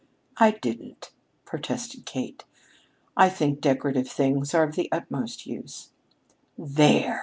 "I didn't," protested Kate. "I think decorative things are of the utmost use." "There!"